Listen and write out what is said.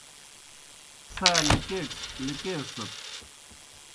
څھا لِکیکسَت